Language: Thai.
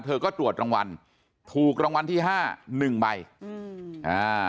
เธอก็ตรวจรางวัลถูกรางวัลที่ห้าหนึ่งใบอืมอ่า